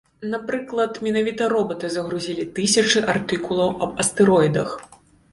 Напрыклад, менавіта робаты загрузілі тысячы артыкулаў аб астэроідах.